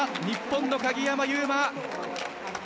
日本の鍵山優真。